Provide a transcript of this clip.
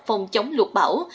phòng chống lục bão